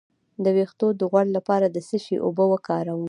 د ویښتو د غوړ لپاره د څه شي اوبه وکاروم؟